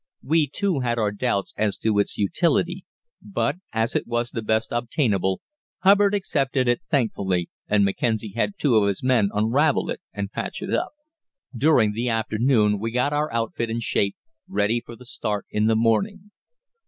We, too, had our doubts as to its utility; but, as it was the best obtainable, Hubbard accepted it thankfully and Mackenzie had two of his men unravel it and patch it up. During the afternoon we got our outfit in shape, ready for the start in the morning.